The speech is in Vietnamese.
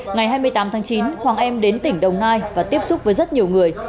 ngày hai mươi tám tháng chín hoàng em đến tỉnh đồng nai và tiếp xúc với rất nhiều người